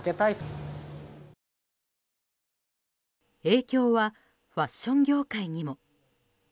影響はファッション業界にも。